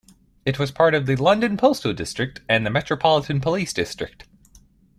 It was part of the London postal district and the Metropolitan Police District.